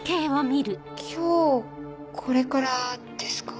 今日これからですか？